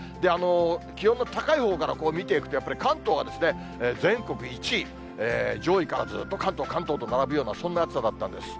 気温の高いほうから見ていくと、やっぱり関東が全国１位、上位からずっと関東、関東と並ぶような、そんな暑さだったんです。